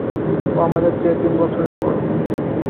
ও আমাদের চেয়ে তিনবছরের বড়ো।